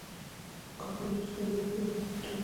ټولې کارخانې چې تولیدات کوي یو له بل سره تړلي دي